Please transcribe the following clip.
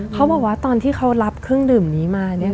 เขาบอกว่าตอนที่เขารับเครื่องดื่มนี้มา